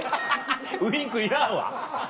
ウインクいらんわ。